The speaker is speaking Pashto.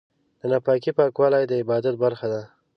د ناپاکۍ پاکوالی د عبادت برخه ده.